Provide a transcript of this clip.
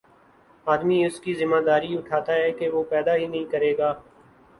آدمی اس کی ذمہ داری اٹھاتا ہے کہ وہ پیدا ہی نہیں کرے گا